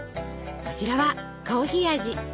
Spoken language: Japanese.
こちらはコーヒー味。